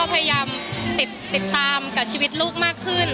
พยายามติดตามกับชีวิตลูกมากขึ้น